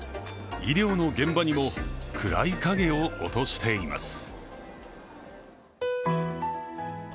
医療の現場にも暗い影を落としています。